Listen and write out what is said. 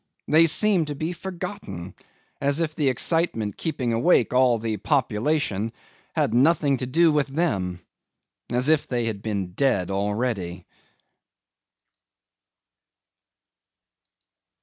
They seemed to be forgotten, as if the excitement keeping awake all the population had nothing to do with them, as if they had been dead already.